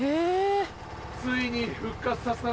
ついに復活させたな。